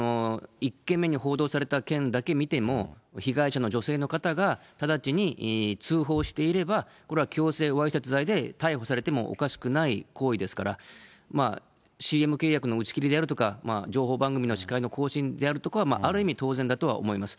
１件目に報道された件だけ見ても、被害者の女性の方が直ちに通報していれば、これは強制わいせつ罪で逮捕されてもおかしくない行為ですから、ＣＭ契約の打ち切りであるとか、情報番組の司会のこうしんであるとか、ある意味、当然だとは思います。